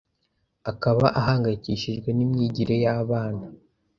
akaba ahangayikishijwe n’imyigire y’abana